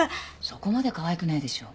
そこまでかわいくないでしょ。